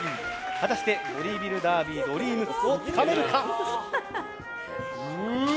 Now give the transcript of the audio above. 果たしてボディービルダードリームをつかめるか！